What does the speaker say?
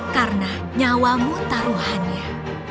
karena nyawamu taruhannya